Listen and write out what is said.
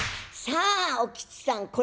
さあお吉さん